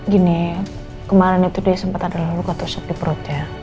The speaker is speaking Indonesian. gini kemarin itu dia sempat ada luka tusuk di perutnya